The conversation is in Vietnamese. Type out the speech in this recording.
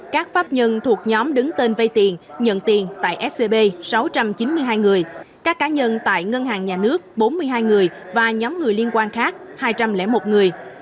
các pháp nhân thuộc nhóm đứng tên vay tiền nhận tiền tại scb sáu trăm chín mươi hai người các cá nhân tại ngân hàng nhà nước bốn mươi hai người và nhóm người liên quan khác hai trăm linh một người